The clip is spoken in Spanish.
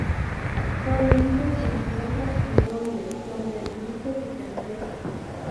Actualmente se encuentra en Londres donde dirige sus empresas.